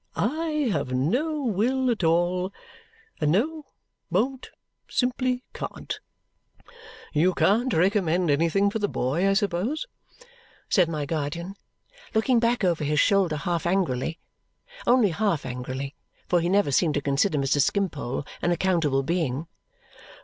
I have no will at all and no won't simply can't." "You can't recommend anything for the boy, I suppose?" said my guardian, looking back over his shoulder half angrily; only half angrily, for he never seemed to consider Mr. Skimpole an accountable being.